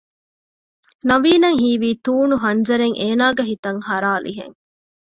ނަވީނަށް ހީވީ ތޫނު ހަންޖަރެއް އޭނާގެ ހިތަށް ހަރާލިހެން